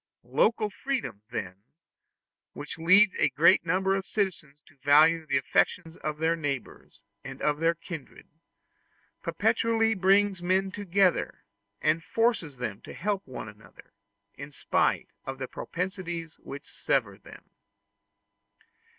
Local freedom, then, which leads a great number of citizens to value the affection of their neighbors and of their kindred, perpetually brings men together, and forces them to help one another, in spite of the propensities which sever them.